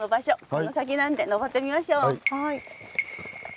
この先なんで登ってみましょう。